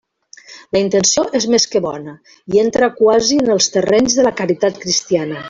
La intenció és més que bona i entra quasi en els terrenys de la caritat cristiana.